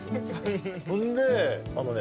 ほんであのね